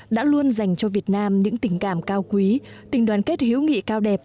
đã luôn dành cho việt nam những tình cảm cao quý tình đoàn kết hiếu nghị cao đẹp